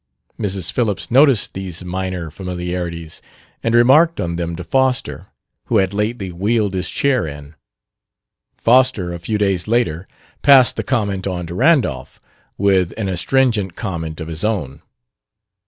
Mrs. Phillips noticed these minor familiarities and remarked on them to Foster, who had lately wheeled his chair in. Foster, a few days later, passed the comment on to Randolph, with an astringent comment of his own.